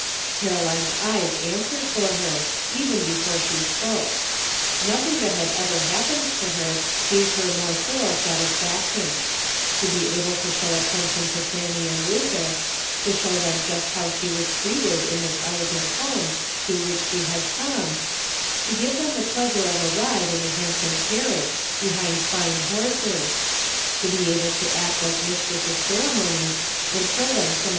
Caroline's eyes answered for her, even before she spoke ; nothing that had ever happened to her gave her more thorough satisfaction. To be able to show attention to Fanny and Rufus, to show them just how she was treated in this elegant home to which she had come ; to give them the pleasure of a ride in a handsome car riage, behind fine horses ; to be able to act as mistress of ceremonies and show them some of ENTERTAINING COMPANY.